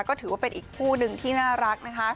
ก็ถือว่าเป็นอีกคู่หนึ่งที่น่ารักนะคะ